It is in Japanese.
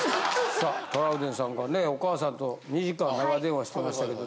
さあトラウデンさんがねお母さんと２時間長電話してましたけど。